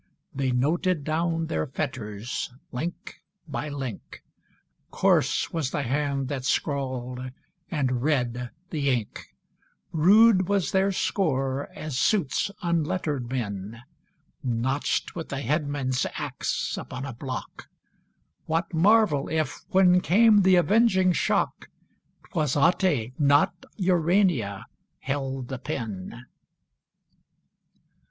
They noted down their fetters, link by link; Coarse was the hand that scrawled, and red the ink; Rude was their score, as suits unlettered men, Notched with a headman's axe upon a block: What marvel if, when came the avenging shock, 'Twas Ate, not Urania, held the pen?